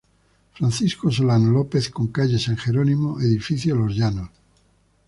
Francisco Solano López, con calle San Geronimo, Edificio Los Llanos.